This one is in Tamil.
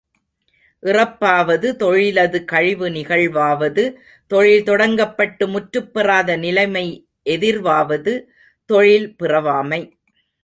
இறப்பாவது, தொழிலது கழிவு நிகழ்வாவது, தொழில் தொடங்கப்பட்டு முற்றுப் பெறாத நிலைமை எதிர்வாவது தொழில் பிறாவமை.